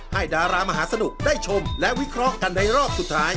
ดารามหาสนุกได้ชมและวิเคราะห์กันในรอบสุดท้าย